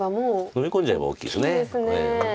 のみ込んじゃえば大きいです。